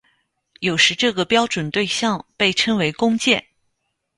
有时这个标准对像被称为工件。